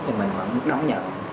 thì mình vẫn đón nhận